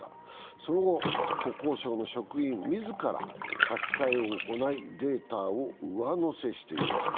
その後、国交省の職員自ら書き換えを行いデータを上乗せしていました。